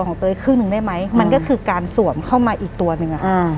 หลังจากนั้นเราไม่ได้คุยกันนะคะเดินเข้าบ้านอืม